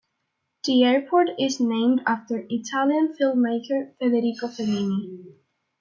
The airport is named after Italian filmmaker Federico Fellini.